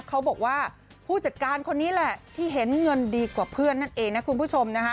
เขาบอกว่าผู้จัดการคนนี้แหละที่เห็นเงินดีกว่าเพื่อนนั่นเองนะคุณผู้ชมนะคะ